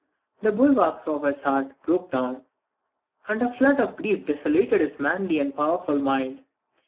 The bulwarks of his heart broke down, and a flood of grief desolated his manly and powerful mind.